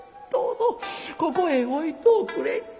どうぞここへ置いとおくれ。